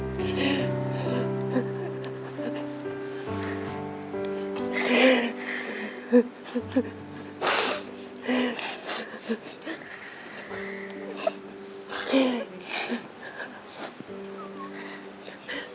เก่ง